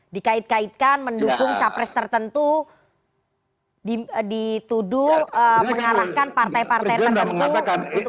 dikait kaitkan mendukung capres tertentu dituduh mengarahkan partai partai tertentu untuk